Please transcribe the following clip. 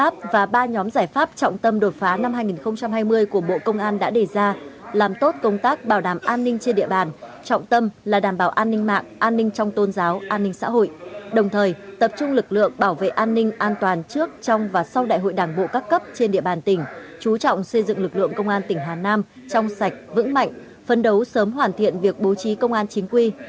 các giải pháp trọng tâm đột phá năm hai nghìn hai mươi của bộ công an đã đề ra làm tốt công tác bảo đảm an ninh trên địa bàn trọng tâm là đảm bảo an ninh mạng an ninh trong tôn giáo an ninh xã hội đồng thời tập trung lực lượng bảo vệ an ninh an toàn trước trong và sau đại hội đảng bộ các cấp trên địa bàn tỉnh chú trọng xây dựng lực lượng công an tỉnh hà nam trong sạch vững mạnh phân đấu sớm hoàn thiện việc bố trí công an chính quy